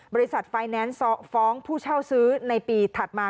บริษัทไฟแนนซ์ฟ้องผู้เช่าซื้อในปีถัดมา